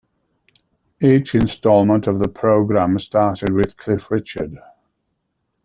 Each instalment of the programme started with Cliff Richard.